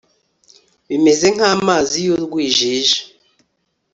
bimeze nk'amazi y'urwijiji